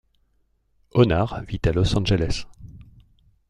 Honard vit à Los Angeles.